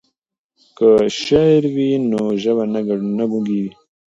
که شعر وي نو ژبه نه ګونګیږي.